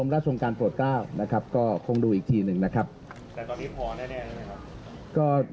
กระทรวงพอพาน